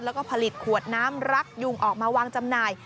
แล้วก็ผลิตขวดน้ำรักยุงออกมาวางจำหน่าย